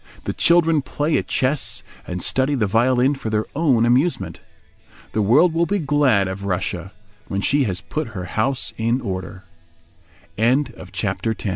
The children play at chess and study the violin for their own amusement. The world will be glad of Russia—when she has put her house in order. HOW TO BE HAPPY THOUGH